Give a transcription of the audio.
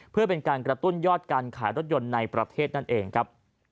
เพื่อเป็นการกระตุ้นยอดการขายรถยนต์ในประเทศนั่นเองครับ